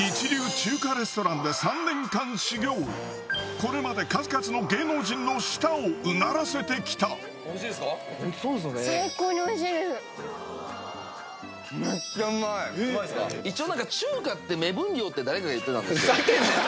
これまで数々の芸能人の舌をうならせて来た一応。